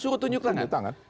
suruh tunjuk tangan